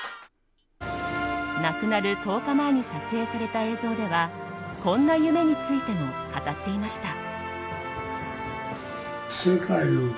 亡くなる１０日前に撮影された映像ではこんな夢についても語っていました。